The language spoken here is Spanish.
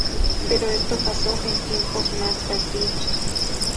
Pero esto pasó en tiempos más tardíos.